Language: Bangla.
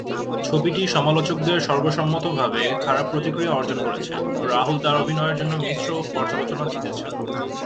ছবিটি সমালোচকদের সর্বসম্মতভাবে খারাপ প্রতিক্রিয়া অর্জন করেছে, রাহুল তার অভিনয়ের জন্য মিশ্র পর্যালোচনা জিতেছেন।